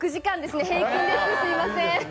すいません。